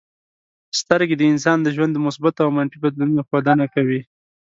سترګې د انسان د ژوند د مثبتو او منفي بدلونونو ښودنه کوي.